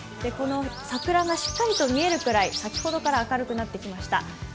この桜がしっかりと見えるくらい、先ほどから明るくなってきました。